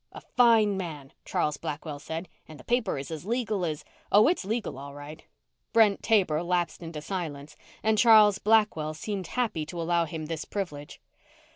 "A fine man," Charles Blackwell said, "and the paper is as legal as " "Oh, it's legal all right." Brent Taber lapsed into silence and Charles Blackwell seemed happy to allow him this privilege.